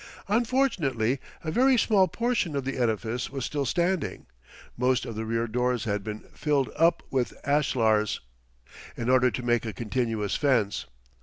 Unfortunately, a very small portion of the edifice was still standing. Most of the rear doors had been filled up with ashlars, in order to make a continuous fence.